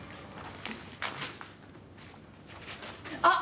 あっ！